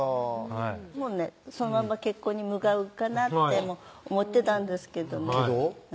はいもうねそのまま結婚に向かうかなって思ってたんですけどけど？